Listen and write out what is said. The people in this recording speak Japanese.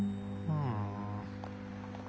ふん。